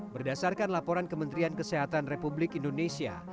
berdasarkan laporan kementerian kesehatan republik indonesia